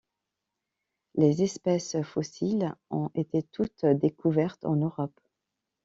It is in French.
Les espèces fossiles ont été toute découvertes en Europe.